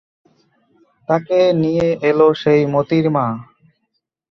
তাকে নিয়ে এল সেই মোতির মা।